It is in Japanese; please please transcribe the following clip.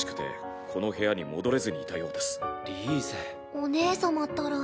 お姉様ったら。